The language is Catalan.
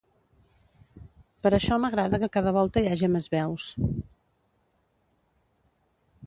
Per això m’agrada que cada volta hi haja més veus.